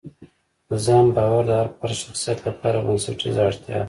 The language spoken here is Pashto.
د ځان باور د هر فرد شخصیت لپاره بنسټیزه اړتیا ده.